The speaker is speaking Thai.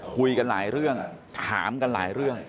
คุยกันหลายเรื่องถามกันหลายเรื่อง